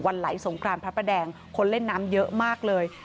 ไหลสงครานพระประแดงคนเล่นน้ำเยอะมากเลย